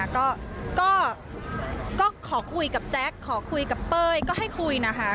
ก็ขอคุยกับแจ๊คขอคุยกับเป้ยก็ให้คุยนะคะ